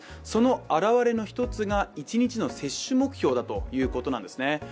その表れの一つが、１日の接種目標だということなんですね。